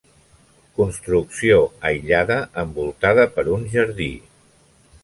Construcció aïllada envoltada per un jardí.